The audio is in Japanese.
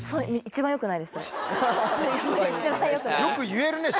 一番よくない。